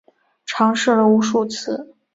尝试了无数次